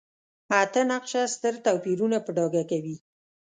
اته نقشه ستر توپیرونه په ډاګه کوي.